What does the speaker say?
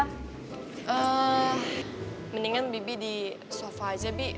mendingan bibi di sofa aja bi